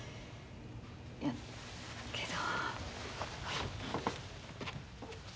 いやけど。